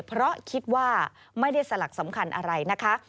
เพราะคิดว่าไม่ได้สลักสำคัญอะไรนะคะ